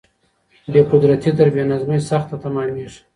بې قدرتي تر بې نظمۍ سخته تماميږي.